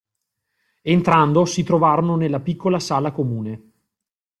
Entrando, si trovarono nella piccola sala comune.